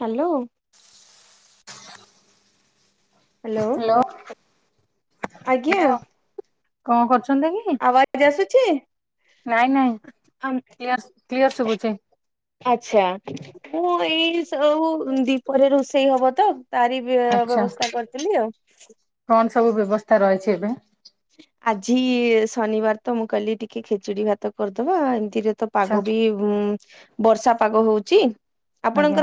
Hello. Hello ଆଜ୍ଞା hello କଣ କରୁଚୁ। ଆବାଜ ଆସୁଛି। ନାଇଁ ନାଇଁ କାଇଁ ଆସୁନି। ଆଛା ମୁଁ ଏଇ ସବୁ ଭିତରେ ରୋଷେଇ ହବ ତ ତାରି ଆଚ୍ଛା ବ୍ୟବସ୍ଥା କରୁଥିଲି ଆଉ। କଣ ସବୁ ବ୍ୟବସ୍ଥା ରହିଛି ଏବେ? ଆଜି ଶନିବାର ତ ମୁଁ କହିଲି ଟିକେ ଖେଚୁଡି ଭାତ କରିଦବା ଏମିତିରେ ତ ଆଚ୍ଛା ପାଗ ବି ବର୍ଷା ପାଗ ହୋଉଛି। ହାଲୋ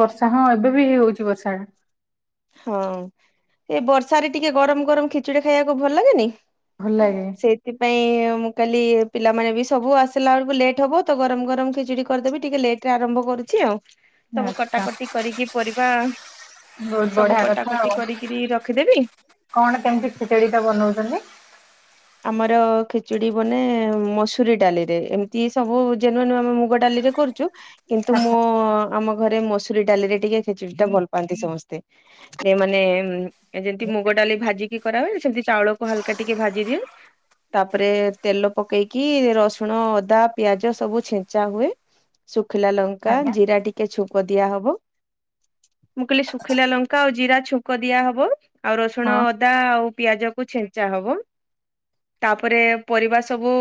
ବର୍ଷା ହଁ ଏବେ ବି ହେଇ ହଉଛି ବର୍ଷା। ହଁ ଏ ବର୍ଷାରେ ଟିକେ ଗରମ ଗରମ ଖିଚୁଡି ଖାଇବାକୁ ଭଲ ଲାଗେନି? ଭଲ ଲାଗେ। ସେଥିପାଇଁ ମୁଁ କହିଲି ପିଲାମାନେ ବି ସବୁ ଆସିଲା ବେଳକୁ ଲେଟ୍ ହବ ତ ଗରମ ଗରମ ଖିଚଡି କରିଦବି ଟିକେ ଲେଟ ରେ ଆରମ୍ଭ କର କରୁଛି ଆଉ ସବୁ ଆଚ୍ଛା କଟାକଟି କରିକି ପରିବା ବହୁତ ସବୁ ବଢିଆ କଥା କଟାକଟି ଆଉ କରିକିରି ରଖିଦେବି। କଣ କେମିତି ଖିଚେଡି ଟା ବନଉଛନ୍ତି? ଆମର ଖେଚୁଡି ବନେ ମସୁରୀ ଡାଲିରେ ଏମିତି ସବୁ ଜନୁ ଆମେ ମୁଗ ଡାଲିରେ କରୁଚୁ। କିନ୍ତୁ ମୋ ଆମ ଘରେ ମସୁରୀ ଡାଲିରେ ଟିକେ ଖେଚୁଡ଼ି ଟା ଭଲ ପାଆନ୍ତି ସମସ୍ତେ ଯେ ମାନେ ଯେମିତି ମୁଗ ଡାଲି ଭାଜିକି କରାହୁଏ ସେମିତି ଚାଉଳକୁ ହାଲକା ଟିକେ ଭାଜି ଦିଏ ତାପରେ ତେଲ ପକେଇକି ରସୁଣ ଅଦା ପିଆଜ ସବୁ ଛେଞ୍ଚା ହୁଏ। ଶୁଖିଲା ଲଙ୍କା ଆଜ୍ଞା ଜିରା ଟିକେ ଛୁଙ୍କ ଦିଆହବ। ମୁଁ କହିଲି ଶୁଖିଲା ଲଙ୍କା ଆଉ ଜିରା ଛୁଙ୍କ ଦିଆହବ ଆଉ ରସୁଣ ହଁ ଅଦା ଆଉ ପିଆଜ କ ଛେଞ୍ଚା ହବ। ପବନ। ତାପରେ ପରିବା ସବୁ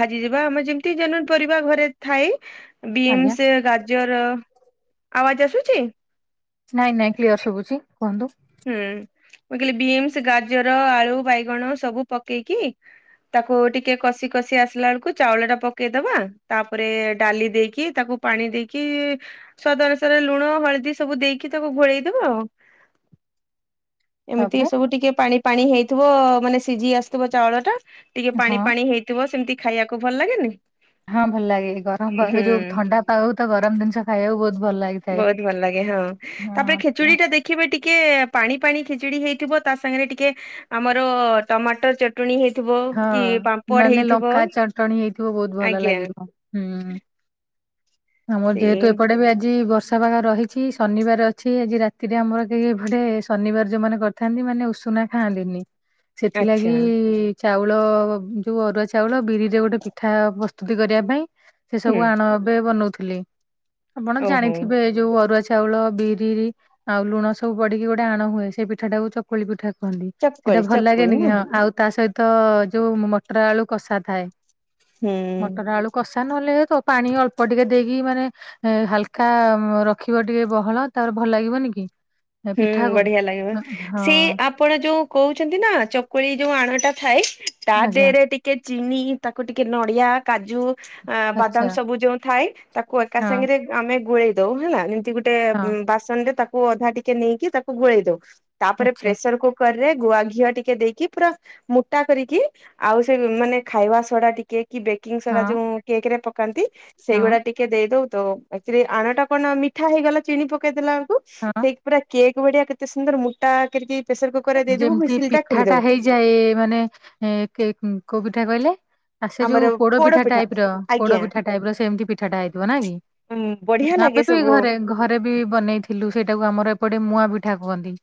ଭାଜି ଯିବା ଆମେ ଯେମିତି ଜ ପରିବା ଘରେ ଥାଏ ଆଜ୍ଞା ବିନ୍ସ ଗାଜର ଆବାଜ ଆସୁଛି। ନାଇଁ ନାଇଁ କ୍ଲିୟର ଶୁଭୁଚି କୁହନ୍ତୁ? ହୁଁ ମୁଁ କହିଲି ବିନ୍ସ ଗାଜର ଆଳୁ ବାଇଗଣ ସବୁ ପକେଇକି ତାକୁ ଟିକେ କଷି କଷି ଆସିଲା ବେଳକୁ ଚାଉଳ ଟା ପକେଇଦବା ତାପରେ ଡାଲି ଦେଇକି ତାକୁ ପାଣି ଦେଇକି ସ୍ଵାଦ ଅନୁସାରେ ଲୁଣ ହଳଦୀ ସବୁ ଦେଇକି ତାକୁ ଘୋଳେଇଦବା ଆଉ ଏମିତି ତାପରେ ସବୁ ଟିକେ ପାଣି ପାଣି ହେଇଥିବ ମାନେ ସିଝି ଆସିଥିବ ଚାଉଳ ଟା ଟିକେ ପାଣି ହଁ ପାଣି ହେଇଥିବ ସେମତି ଖାଇବାକୁ ଭଲ ଲାଗେନି? ହଁ ଭଲ ଲାଗେ ଗରମ ପା ହୁଁ ଏ ଯୋଉଁ ଥଣ୍ଡା ପାଗ କୁ ତ ଗରମ ଜିନିଷ ଖାଇବାକୁ ବହୁତ ଭଲ ଲାଗିଥାଏ। ବହୁତ ଭଲ ଲାଗେ ହଁ ହଁ ତାପରେ ଆଚ୍ଛା ଖେଚୁଡି ଟା ଦେଖିବେ ଟିକେ ପାଣି ପାଣି ଖିଚୁଡି ହେଇଥିବ ତା ସାଙ୍ଗରେ ଟିକେ ଆମର ଟମାଟର ଚଟଣି ହେଇ ଥିବ କି ହଁ ପାମ୍ପଡ ନହେଲେ ହେଇଥିବ ଲଙ୍କା ଚଟଣି ହେଇଥିବ ବହୁତ ଭଲ ଆଜ୍ଞା। ଲାଗିବ ହୁଁ। ହ ଆମର ଯେହେତୁ ଏପଟେ ବି ଆଜି ବର୍ଷ ବର୍ଷା ପାଗ ରହିଛି ଶନିବାର ଅଛି ଆଜି ରାତିରେ ଆମର କେହି ଗୋଟେ ଶନିବାର ଯୋଉଁମାନେ କରିଥାନ୍ତି ମାନେ ଉଷ ଉସୁନା ଖାଆନ୍ତିନି ଆଚ୍ଛା ସେଥିଲାଗି ଚାଉଳ ଯୋଉଁ ଅରୁଆ ଚାଉଳ ବିରିରେ ଗୋଟେ ପିଠା ପ୍ରସ୍ତୁତି କରିବା ପାଇଁ ସେ ସବୁ ହୁଁ ଆଣ ଏବେ ବନଉଥିଲି ଆପଣ ଓହୋ ଜାଣିଥିବେ ଯୋଉଁ ଅରୁଆ ଚା ଚାଉଳ ବିରି ଆଉ ଲୁଣ ସବୁ ପଡିକି ଗୋଟେ ଆଣ ହୁଏ ସେ ପିଠା ଟାକୁ ଚକୁଳି ପିଠା କୁ ସେଇଟା ଚକୁଳି ଭଲ ଚକୁଳି ଲାଗେନି କି ନା ହଁ ଆଉ ତା ସହିତ ଯୋଉ ମଟର ଆଳୁ କଷା ଥାଏ। ହୁଁ ମଟର ଆଳୁ କସ କଷା ନହେଲେ ତୋ ପାଣି ଅଳ୍ପ ଟିକେ ଦେଇକି ମାନେ- ହାଲକା ରଖିବ ଟିକେ ବହଳ ତାର ଭଲ ଲାଗିବନି କି? ହୁଁ ପିଠାକୁ? ବଢିଆ ଲାଗିବ ହଁ ସେ ଆପଣ ଯୋଉ କହୁଛନ୍ତି ନା ଚକୁଳି ଯୋଉ ଆଣଟା ଥାଇ ତା ଆଜ୍ଞା ଦେହରେ ଟିକେ ଚିନି ତାକୁ ଟିକେ ନଡିଆ କାଜୁ ଆଚ୍ଛା ଆ-ବାଦାମ ସବୁ ଯୋଉ ଥାଏ ତାକୁ ଏକା ହଁ ସାଙ୍ଗରେ ଆମେ ଗୋଳେଇ ଦଉ ହେଲା। ଗୋଟେ ହଁ ବାସନ ରେ ତାକୁ ଅଧା ଟିକେ ନେଇକି ତାକୁ ଗୋଳେଇ ଦଉ ତାପରେ ଆଚ୍ଛା ପ୍ରେସର କୁକ୍ କର୍ ରେ ଗୁଆ ଘିଅ ଟିକେ ଦେଇକି ପୁରା ମୋଟା କରିକି ଆଉ ସେ ମାନେ ଖାଇବା ସଡା ଟିକେ କି ବେକିଂ ସୋଡା ହଁ ଯୋଉ କେକ୍ ରେ ପକାନ୍ତି ହଁ ସେଇଗୁଡା ଟିକେ ଦେଇ ଦଉ। ତ ଆକ୍ଚୁଲି ଆଣ ଟା କଣ ନା ମିଠା ହେଇଗଲା ଚିନ ପକେଇଦେଲବେଳ ହଁ। ପୁରା କେକ୍ ବଢିଆ କେତେ ସୁନ୍ଦର ମୁଟା କରିକି ପ୍ରେସର କୁକର ରେ ଦେଇଦବୁ ଯେମିତି ହୁଇସିଲ ପିଠା ଟା ଖୋଲିଦବୁ। ହେଇଯାଏ ମାନେ ଏ-କୋ ପିଠା କହିଲେ? ଆଉ ସେ ଯୋଉ ପୋଡ ପିଠା ଟାଇପ ର ପୋଡ ଆଜ୍ଞା ପିଠା ଟାଇପ ର ସେମିତି ପିଠାଟା ହେଇଥିବ ନା କି? ବଢିଆ ଲାଗେ ଆମେ ବି ସବୁ ଘରେ ଘରେ ବି ବନେଇଥିଲୁ ସେଇଟାକୁ ଆମର ଏପଟେ ମୁଆଁ ପିଠା କୁହନ୍ତି।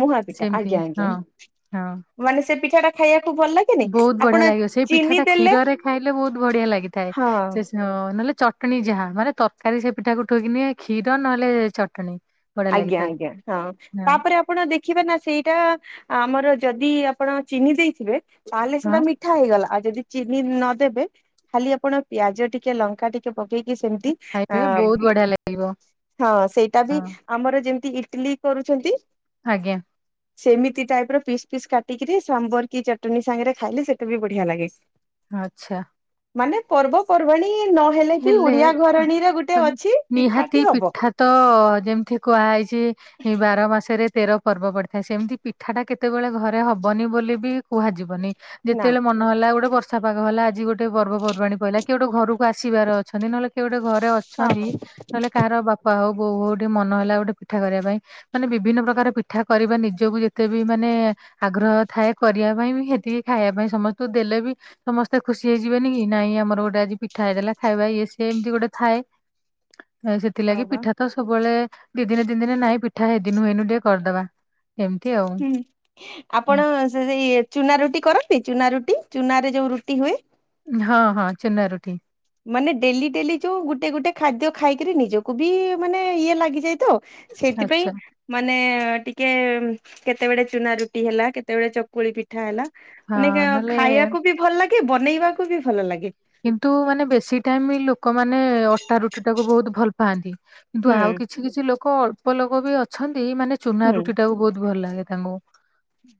ମୁହାପିଠା ସେମିତି ଆଜ୍ଞା ହଁ ଆଜ୍ଞା। ହଁ। ମାନେ ସେ ପିଠା ଟା ଖାଇବାକୁ ଭଲ ଲାଗେନି ବହୁତ ଆପଣ ବଢିଆ ଲାଗିବ ସେଇ ଚିନି ପିଠାଟା ଦେଲେ କ୍ଷୀରରେ ଖାଇଲେ ବହୁତ ବଢିଆ ଲାଗିଥାଏ। ହଁ ସେ ସ-ନଲେ ଚଟଣୀ ଯାହା ମାନେ ତରକାରୀ ସେ ପିଠାକୁ ଠୋଇକି ନିଏ କ୍ଷୀର ନହେଲେ ଚଟଣି। ବଢିଆ ଆଜ୍ଞା ଲାଗିଥାଏ ଆଜ୍ଞା ହଁ ହଁ ତାପରେ ଆପଣ ଦେଖିବେ ନା ସେଇଟା ଆମର ଯଦି ଆପଣ ଚିନି ଦେଇଥିବେ ତାହେଲେ ହଁ ସେଟା ମିଠା ହେଇଗଲା ଯଦି ଚିନି ନଦେବେ ଖାଲି ଆପଣ ପିଆଜ ଟିକେ ଲଙ୍କା ଟିକେ ପକେଇକି ସେମିତି ଆ ଖାଇବେ ବହୁତ ବଢିଆ ଲାଗିବ ହଁ ସେଇଟା ବି ହଁ ଯେମତି ଇଟଲିି କରୁଛନ୍ତି। ଆଜ୍ଞା। ସେମିତି ଟାଇପ ର ପିସ୍ ପିସ୍ କାଟିକିରି ସାମ୍ବର କି ଚଟନି ସାଙ୍ଗରେ ଖାଇଲେ ସେଟା ବି ବଢିଆ ଲାଗେ। ଆଛା। ମାନେ ପର୍ବପର୍ବାଣୀ ନହେଲେ ବି ହେଲେ ଓଡିଆ ଘରଣୀର ଗୋଟେ ହ- ଅଛି ନିହାତି ପିଠାଟି ହବ। ପିଠା ତ ଯେମିତି କୁହାଯଇଛି ଏ ବାର ମାସ ସେରେ ତେର ପର୍ବ ପଡିଥାଏ ସେମିତି ପିଠାଟା କେତେବେଳେ ଘରେ ହବନି ବୋଲି ବି କୁହାଯିବନି। ନା ଯେତେବେଳେ ମନ ହେଲା ଗୋଟେ ବର୍ଷା ପାଗ ହେଲା ଆଜି ଗୋଟେ ପର୍ବପର୍ବାଣୀ ପହିଲା କି ଗୋଟେ ଘରକୁ ଆସିବାର ଅଛନ୍ତି ନହେଲେ କି ଗୋଟେ ଘରେ ଅଛନ୍ତି ହଁ ନହେଲେ କାହାର ବାପା ହଉ ବୋଉ ବୋଉ ଟିକେ ମନ ହେଲା ଗୋଟେ ପିଠା କରିବା ପାଇଁ ମାନେ ବିଭିନ୍ନ ପ୍ରକାର ପିଠା କରିବା ନିଜକୁ ଯେତେ ବି ମାନେ ଆଗ୍ରହ ଥାଏ କରିବା ପାଇଁ ବି ସେତିକି ଖାଇବା ପାଇଁ ସମସ୍ତଙ୍କୁ ଦେଲେ ବି ସମସ୍ତେ ଖୁସି ହେଇଯିବେନି କି। ନାଇଁ ଆମର ଗୋଟେ ଆଜି ପିଠ ପିଠା ହେଇଦେଲା ଖାଇବା ଇଏ ସିଏ ଏମିତି ଗୋଟେ ଥାଏ ହଁ ସେଥିଲାଗି ବା। ପିଠା ତ ସବୁବେଳେ ଦି ଦିନେ ତିନ୍ ଦିନ ନାଇଁ ପିଠା ହେଇ ଦିନୁହେନୁ ଟିକେ କରିଦବା। ଏମିତି ଆଉ। ହୁଁ ଆପଣ ସେ- ସେଇ ଚୁନା ରୁଟି କରନ୍ତି ଚୁନା ରୁଟି? ଚୁନା ରେ ଯୋଉ ରୁଟି ହୁଏ। ହଁ ହଁ ଚୂନା ରୁଟି। ମାନେ ଡେଲି ଡେଲି ଯୋଉ ଗୋଟେ ଗୋଟେ ଖାଦ୍ୟ ଖାଇକିରି ନିଜକୁ ବି ମାନେ ଇଏ ଲାଗିଯାଇ ତ ସେଇଥିପାଇଁ ଆଚ୍ଛା ମାନେ ଟିକେ କେତେବେଳେ ଚୁନା ରୁଟି ହେଲା କେତେବେଳେ ଚକୁଳି ପିଠା ହେଲା ହଁ ମାନେ ନହେଲେ ଖାଇବାକୁ ବି ଭଲ ଲାଗେ ବନେଇବାକୁ ବି ଭଲ ଲାଗେ। କିନ୍ତୁ ମାନେ ବେଶୀ ଟାଇମ ଲୋକମାନେ ଅଟା ରୁଟି ଟାକୁ ବହୁତ ଭଲ ପାଆନ୍ତି। କିନ୍ତୁ ହୁଁ ଆଉ କିଛି କିଛି ଲୋକ ଅଳ୍ପ ଲୋକ ବି ଅଛନ୍ତି ମାନେ ଚୁନା ହୁଁ ରୁଟି ଟାକୁ ବହୁତ ଭଲ ଲାଗେ। ତାଙ୍ଗୁ।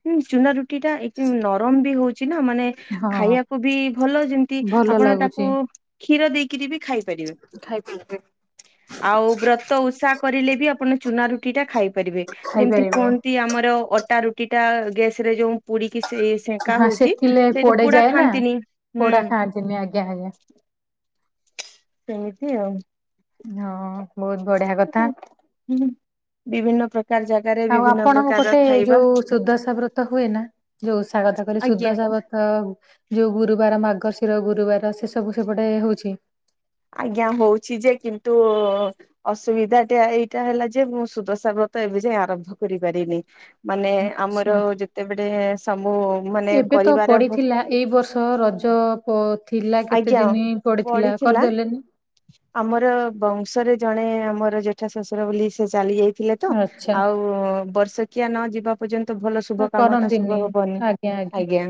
ହୁଁ ଚୁନା ରୁଟି ଟା ଏଇ ନରମ ବି ହଉ ରୁଟିନା ମାନେ ହଁ ଖାଇବାକୁ ବି ଭଲ, ଯେମିତି ଭଲ ଆପଣ ତାକୁ ଲାଗୁଛି କ୍ଷୀର ଦେଇକରି ବି ଖାଇପାରିବେ, ଖାଇପାରିବେ ଆଉ ବ୍ରତ ଓଷା କରିଲେ ବି ଆପଣ ଚୁନା ରୁଟି ଟା ଖାଇପାରିବେ, ଯେମିତି ଖାଇପାରିବେ କୁହନ୍ତି ଆମର ଅଟା ରୁଟି ଟା ଗ୍ୟାସରେ ଯୋଉ ପୁଡିକି ସେ ସେଙ୍କା ହଁ ହଉଚଛି ସେକିଲେ ସେଇଟା ପୋଡା ପୋଡିଯାଏ ନା ଖାଆନ୍ତିନି ହୁଁ। ପୋଡା ଖାଆନ୍ତିନି ଆଜ୍ଞା ଆଜ୍ଞା। ସେମିତି ଆଉ। ହଁ ବହୁତ ବଢିଆ କଥା। ହୁଁ, ବିଭିନ୍ନ ପ୍ର ଆଉ ଆପଣଙ୍କ ପଟେ ଯୋଉ ସୁଦଶା ବ୍ରତ ହୁଏ ନା? ଯୋଉ ଓଷା କଥା କହିଲେ ଆଜ୍ଞା। ସୁଦଶା ବ୍ରତ ଯୋଉ ଗୁରୁବାର ମାର୍ଗଶିର ଗୁରୁବାର, ସେ ସବୁ ସେପଟେ ହଉଛି। ଆଜ୍ଞା ହଉଛି ଯେ, କିନ୍ତୁ ଅସୁବିଧା ଟା ଏଇଟା ହେଲା ଯେ, ମୁଁ ସୁଦଶା ବ୍ରତ ଏବେ ଯାଏ ଆରମ୍ଭ କରିପାରିନି। ମାନେ ଆଛା ଆମର ଯେତେବେଡେ ଏବେ ତ ପଡିଥିଲା। ଏଇ ବର୍ଷ ରଜ ପ ଥିଲା କେତେ ଆଜ୍ଞା ଦିନ ପଡିଥିଲା, କରିଦେଲେ ଆମର ବଂଶରେ, ଜଣେ ଆମର ଜେଠା ଶ୍ୱଶୁର ବୋଲି ସେ ଚାଲି ଯାଇ ଥିଲେ ତ ଆଚ୍ଛା ଆଉ ବର୍ଷକିଆ ନ ଯିବା ପର୍ଯ୍ୟ ନ୍ତ ଭଲ ଶୁଭ କାମ ଟା ଶୁଭ କରନ୍ତିନି ହବନି, ଆଜ୍ଞା ଆଜ୍ଞା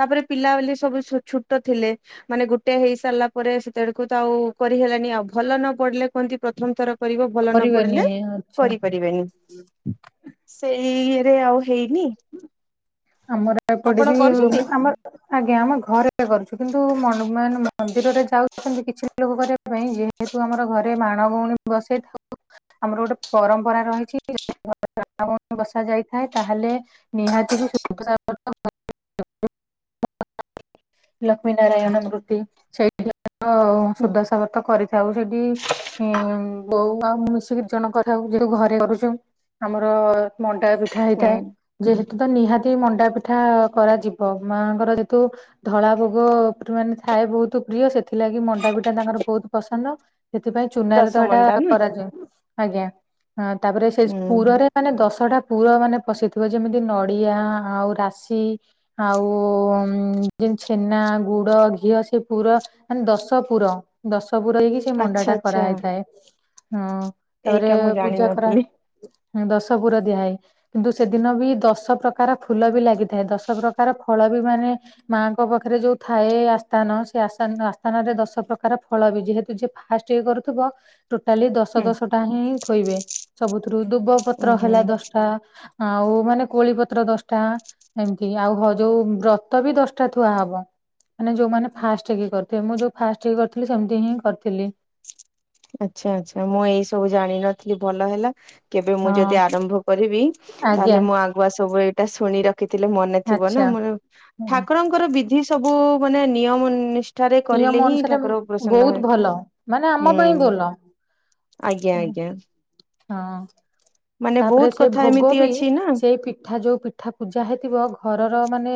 ତାପରେ ପିଲା ବୋଲି ସବୁ ଛୋଟ ଥିଲେ, ମାନେ ଗୋଟେ ହେଇ ସାରିଲା ପରେ ସେତେବେଳେ କୁ ତ ଆଉ କରିହେଲାନି, ଆଉ ଭଲ ନ ପଡିଲେ କୁହନ୍ତି ପ୍ରଥମ ଥର କରିବ ଭଲ ନ କରିବେନି ପଡିଲେ ଆଚ୍ଛା କରିପାରିବେନି, ସେଇ ଇଏରେ ଆଉ ହେଇନି? ଆମର ଏପଟେ ଆପଣ ବି କରୁଛନ୍ତି ଆମ ଆଜ୍ଞା ଆମ ଘରେ କରୁଛୁ। କିନ୍ତୁ ମେନ୍ ମନ୍ଦିରରେ ଯାଉଛନ୍ତି କିଛି ଲୋକ କରିବା ପାଇଁ, ଯେହେତୁ ଆମର ଘରେ ମାଣ ଗଉଣୀ ବସେଇଥାଉ ଆମର ଗୋଟେ ପରମ୍ପରା ରହିଛି। [unintelligible] [unintelligible] ବସା ଯାଇଥାଏ ତାହେଲେ ନିହାତି ବି [unintelligible] ଲକ୍ଷ୍ମୀ ନାରାୟଣ ମୂର୍ତ୍ତି ସେଇଠି। ହୁଁ ସୁଦଶାବ୍ରତ କରିଥାଉ ସେଠି ବୋଉ ଆଉ ମୁଁ ମିଶିକି ଦି ଜଣ କଥା [unintelligible] ଯୋଉ ଘରେ କରୁଛୁ। ଆମର ମ ଣ୍ଡା ପିଠା ହୁଁ ହେଇଥାଏ, ଯେହେତୁ ତ ନିହା ଲି ମଣ୍ଡା ପିଠା କରାଯିବ। ମାଆଙ୍କର ଯେହେତୁ ଧଳା ଭୋଗ [unintelligible] ଥାଏ ବହୁତ ପ୍ରିୟ ସେଥିଲାଗି ମଣ୍ଡାପିଠା ତାଙ୍କର ବହୁତ ପସନ୍ଦ। ସେଥିପାଇଁ ଚୁନାରେ ଦଶ ତ ହେଇଟା ମଣ୍ଡା ନା କରାଯାଏ। ଆଜ୍ଞା ହଁ ତାପରେ ସେ ହୁଁ ପୁରରେ, ମାନେ ଦଶଟା ପୁର ମାନେ ପଶିଥିବ। ଯେମିତି ନଡିଆ ଆଉ ରାଶି ଆଉ ଯେନ୍ତି ଛେନା, ଗୁଡ଼, ଘିଅ ସେ ପୁରା ମାନ ଦଶପୁର, ଦଶପୁର ହେଇକି ସେ ଆଚ୍ଛା ମଣ୍ଡାଟା ଆଚ୍ଛା। କରାହେଇଥାଏ। ହଁ ତାପରେ ଏଇଟା ମୁଁ ପୂଜା କରା ଜାଣିନଥିଲି ଦଶ ପୁର ଦିଆହଇ, କିନ୍ତୁ ସେଦିନ ବି ଦଶ ପ୍ରକାର ଫୁଲ ବି ଲାଗିଥାଏ। ଦଶ ପ୍ରକାର ଫଳ ବି ମାନେ ମାଙ୍କ ପାଖରେ ଯୋଉ ଥାଏ, ଆସ୍ଥାନ ସେ ଆସ୍ଥା ତାଙ୍କ ଆସ୍ଥାନରେ ଦଶ ପ୍ରକାର ଫଳ ବି, ଯେହେତୁ ଯିଏ ଫାଷ୍ଟ ଇଏ କରୁଥିବ। ଟୋଟାଲି ଦଶ ହୁଁ ଦଶଟା ହିଁ ଥୋଇବେ, ସବୁଥିରୁ ଦୁବ ଉଁ ପତ୍ର ହୁଁ। ହେଲା ଦଶଟା। ଆଉ ମାନେ କୋଳି ପତ୍ର ଦଶ ଟା ଏମିତି ଆଉ ହ ଯୋଉ ବ୍ରତ ବି ଦଶଟା ଥୁଆ ହବ। ମାନେ ଯୋଉମାନେ ଫାଷ୍ଟ ଇଏ କରିଥିବେ, ମୁଁ ଯୋଉ ଫାଷ୍ଟ ଇଏ କରିଥିଲି ସେମିତି ହିଁ କରିଥିଲି। ଆଚ୍ଛା ଆଚ୍ଛା ମୁଁ ଏଇ ସବୁ ଜାଣିନଥିଲି, ଭଲ ହେଲା କେବେ ମୁଁ ହଁ ଯଦି ଆରମ୍ଭ କରିବି, ଆଜ୍ଞା ତାହେଲେ ମୁଁ ଆଗୁଆ ସବୁ ଏଇଟା ଶୁଣି ରଖ ରଖିଥିଲେ ମନେ ଥିବ ନା। ଆଚ୍ଛା ମ ଆଜ୍ଞା ଠାକୁରଙ୍କର ବିଧି ସବୁ ମାନେ ନିୟମ ନି ଷ୍ଠାରେ କରିଲେ ନିୟମ ହିଁ ଅନୁସାରେ ଠାକୁର ପ୍ରସନ୍ନ ବହୁତ ହେବେ। ଭଲ ମାନେ ଆମ ପାଇଁ ହୁଁ ଭଲ ଆଜ୍ଞା ଆଜ୍ଞା। ହଁ। ମାନେ ତାପରେ ବହୁତ ସେ କଥା ଭୋଗ ଏମିତି ବି ଅଛି ନା ସେଇ ପିଠା ଯୋଉ ପିଠା ପୂଜା ହେଇଥିବ। ଘରର ମାନେ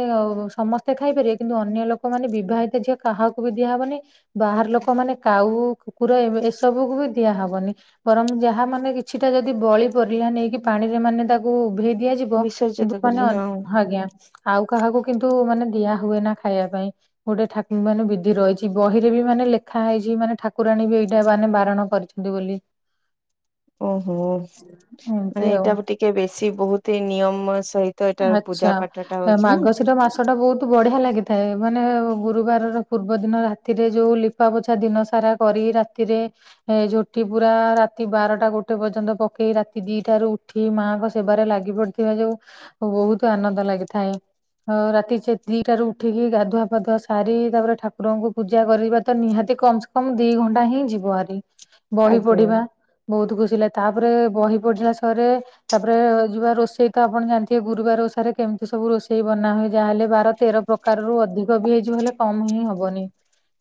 ସମସ୍ତେ ଖାଇପାରିବେ। କିନ୍ତୁ ଅନ୍ୟ ଲୋକ ମାନେ ବିବାହିତ ଝିଅ କାହାକୁ ବି ଦିଆହବନି। ବାହାର ଲୋକମାନେ କାଉ କୁକୁର ଏ ଏସବୁକୁ ବି ଦିଆହବନି। ବରଂ ଯାହା ମାନେ କିଛିଟା ଯଦି ବଳି ପରିଲା ନେଇକି ପାଣି ରେ ମାନେ ତାକୁ ଉଭେଇ ଦିଆଯିବ। କିନ୍ତୁ ବିସର୍ଜିତ କରି ମାନେ ହଁ ଆଜ୍ଞା। ଆଉ କାହାକୁ କିନ୍ତୁ ମାନେ ଦିଆ ହୁଏନା ଖାଇବା ପାଇଁ। ଗୋଟେ ଠାକୁ ମାନେ ବିଧି ରହିଛି। ବହିରେ ବି ମାନେ ଲେଖା ହେଇଛି ମାନେ ଠାକୁରାଣୀ ବି ଏଇଟା ମାନେ ବାରଣ କରିଛନ୍ତି ବୋଲି। ଓହୋ ଏମିତି ମାନେ ଆଉ। ଏଇଟା ଟିକେ ବେଶୀ ବହୁତି ନିୟମ ସହିତ ଏଇଟା ଆଛା ପୂଜା ପାଠ ଟା ହଉଛି ନା ମାାଗଶୀର ମାସ ଟା ବହୁତ ବଢିଆ ଲାଗିଥାଏ। ମାନେ ଗୁରୁବାରର ପୂର୍ବ ଦିନ ରାତିରେ ଯୋଉ ଲିପା ପୋଛା ଦିନ ସାରା କରି ରାତିରେ ଝୋଟି ପୁରା ରାତି ବାରଟା ଗୋଟେ ପର୍ଯ୍ୟନ୍ତ ପକେଇ ରାତି ଦିଟାରୁ ଉଠି ମାଙ୍କ ସେବାରେ ଲାଗି ପଡିଥିବା। ବହୁତ ଆନନ୍ଦ ଲାଗିଥାଏ। ଉ ରାତି ଦିଟାରୁ ଉଠିକି ଗାଧୁଆ ଫାଧୁଆ ସାରି ତାପରେ ଠାକୁରଙ୍କୁ ପୂଜା କରିବା ତ ନିହାତି କମ୍ ସେ କମ୍ ଦି ଘଣ୍ଟା ହିଁ ଯିବ ଆରି। ବହି ଆଜ୍ଞା ପଢିବା ବହୁତ ଖୁ ଥିଲେ ତାପରେ ବହି ପଡିଲା ସହରେ ତାପରେ ଯିବା ରୋଷେଇ ତ ଆପଣ ଜା ଟିକେ ଗୁରୁବାର ଓଷାରେ କେମିତି ସବୁ ରୋଷେଇ ବନା ହୁଏ। ଯାହା ହେଲେ ବାର ତେର ପ୍ରକାର ରରୁ ଅଧିକ ବି ହେଇଯିବ। ହେଲେ କମ ହେଇ ହିଁ ହବନି।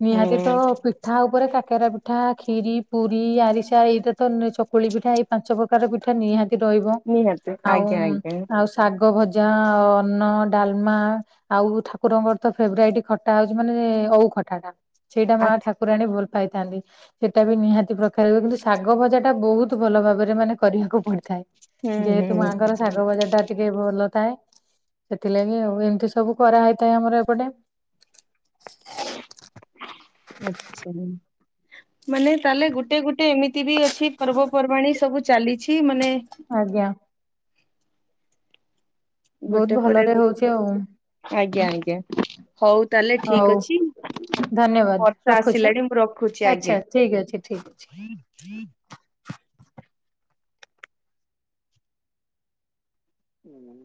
ନିହାତି ତ ହୁଁ ପିଠା ଉପରେ କାକେରା ପିଠା ଖିରି ପୁରୀ ଆରିସା ଏଇଟା ତ ଚକୁଳି ପିଠା ଏଇ ପାଞ୍ଚ ପ୍ରକାର ପିଠା ନିହାତି ରହିବ ନିହାତି ଆଉ ଆଜ୍ଞା ଆଜ୍ଞା ଆଉ ଶାଗ ଭଜି ଜା ଅର୍ନ ଡାଲମା ଆଉ ଠାକୁରଙ୍କର ତ ଫେବେରାଇଟି ଖଟା ହଉଛି ମାନେ ଓଉ ଖଟା ଟା ସେଇଟା ମା ଆଛା ଠାକୁରାଣୀ ଭଲ ପାଇଥାନ୍ତି। ସେଇଟା ବି ନିହାତି ପ୍ରକାର କିନ୍ତୁ ଶାଗ ଭଜା ବହୁତ ଭଲ ଭାବରେ ମାନେ କରିବାକୁ ପଡିଥାଏ। ହୁଁ ଯେହେତୁ ହୁଁ ମାଙ୍କର ଶାଗ ଭଜା ଟା ଟିକେ ଭଲ ଥାଏ। ସେଥିଲାଗି ଆଉ ଏମିତି ସବୁ କରା ହେଇଥାଏ ଆମର ଏପଟେ। ଆଛା। ମାନେ ତାହେଲେ ଗୋଟେ ଗୋଟେ ଏମିତି ବି ଅଛି। ପର୍ବପର୍ବାଣି ସବୁ ଚାଲିଛି ମାନେ ଆଜ୍ଞା। ବହୁତ ଗୋଟେ ପରେ ଭଲରେ ଗୁ ହଉଛି ଆଉ ଆଜ୍ଞା ଆଜ୍ଞା ହଉ ତାହେଲେ ଠିକ ହଉ ଅଛି। ଧନ୍ୟବାଦ ବର୍ଷା ରଖୁଛି ଆସିଲାଣି ମୋ ଖୁଛି ଆଚ୍ଛା ଆଜ୍ଞା। ଠିକ ଅଛି ଠିକ ଅଛି। ହୁଁ।